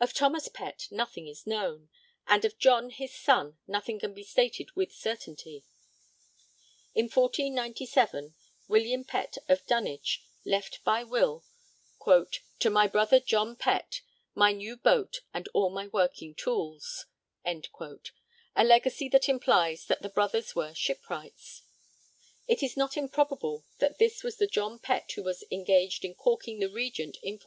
Of Thomas Pett nothing is known; and of John his son nothing can be stated with certainty. In 1497 William Pette of Dunwich left by will 'to my brother John Pette, my new boat and all my working tools'; a legacy that implies that the brothers were shipwrights. It is not improbable that this was the John Pett who was engaged in caulking the Regent in 1499.